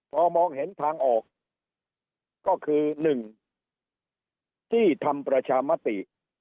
พอมองเห็นทางออกก็คือ๑ที่ทำประชามติ